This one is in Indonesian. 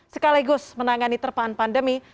sekaligus menangani terpahan pandemi